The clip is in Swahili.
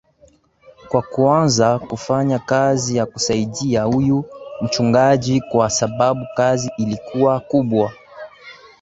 kwa kuanza kufanya kazi ya kusaidia huyu mchungaji kwa sababu kazi ilikuwa kubwa